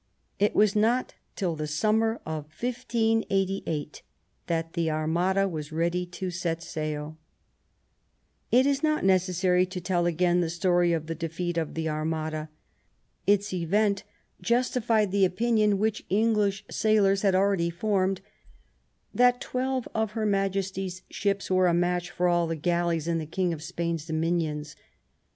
It was not till the summer of 1588 that the Armada Was ready to set sail. THE CRISIS. 2^3 It is not necessary to tell again the story of the defeat of the Armada. Its event justified the opinion, which English sailors had already formed, that twelve of Her Majesty's ships were a match for all the galleys in the King of Spain's dominions